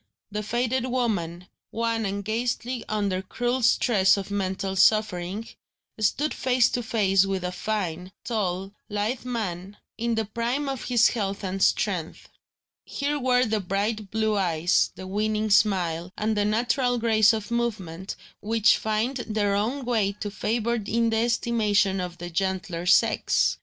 The faded woman, wan and ghastly under cruel stress of mental suffering, stood face to face with a fine, tall, lithe man, in the prime of his health and strength. Here were the bright blue eyes, the winning smile, and the natural grace of movement, which find their own way to favour in the estimation of the gentler sex.